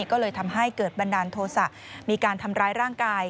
ก็เลยทำให้เกิดบันดาลโทษะมีการทำร้ายร่างกาย